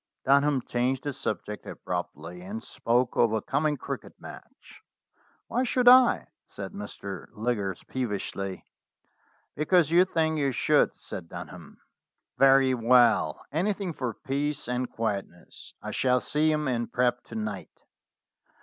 Dunham changed the subject abruptly, and spoke of a coming cricket match. "Why should I ?" said Mr. Liggers peevishly. "Because you think you should," said Dunham. "Very well. Anything for peace and quietness. I shall see him in prep, to night."